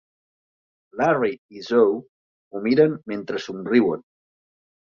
Larry i Zoe ho miren mentre somriuen.